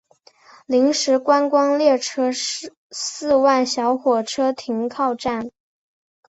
临时观光列车四万小火车停靠站。